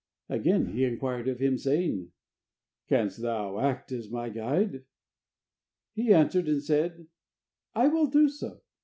Again he inquired of him, saying: "Canst thou act as my guide?" He answered and said: "I will do so."